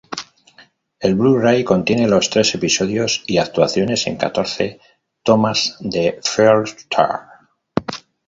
El Blu-ray contiene los tres episodios y actuaciones en catorce tomas de Fearless Tour.